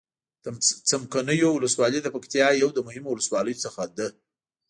د څمکنيو ولسوالي د پکتيا يو د مهمو ولسواليو څخه ده.